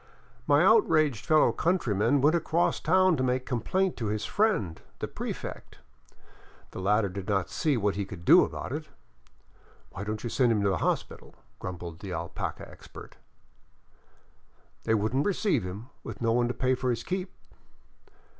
My outraged fellow countryman went across town to make complaint to his friend, the prefect. The latter did not see what he could do about it. " Why don't you send him to the hospital ?" grumbled the alpaca expert. "They wouldn't receive him, with no one to pay for his keep."